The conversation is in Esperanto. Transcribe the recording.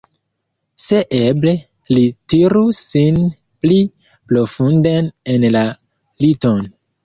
Se eble, li tirus sin pli profunden en la liton.